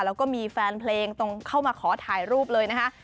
แล้วก็มีแฟนเพลงตรงเข้ามาขอถ่ายรูปเลยนะคะ